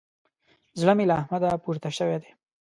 زړه مې له احمده پورته سوی دی.